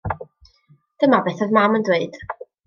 Dyna beth oedd mam yn dweud.